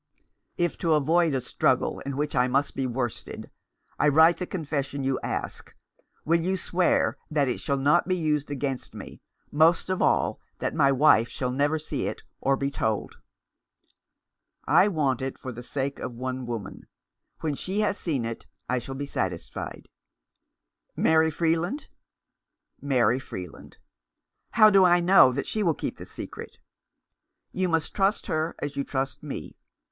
" If, to avoid a struggle in which I must be worsted, I write the confession you ask, will you swear that it shall not be used against me — most of all, that my wife shall never see it, or be told ?" "I want it for the sake of one woman. When she has seen it, I shall be satisfied." " Mary Freeland ?" "Mary Freeland." " How do I know that she will keep the secret ?"" You must trust her as you trust me.